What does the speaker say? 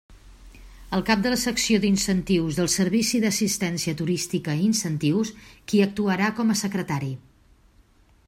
El cap de la Secció d'Incentius del Servici d'Assistència Turística i Incentius, qui actuarà com a secretari.